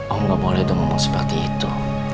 om gak boleh dong ngomong seperti itu